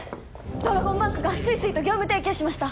ドラゴンバンクがＳＵＩＳＵＩと業務提携しました！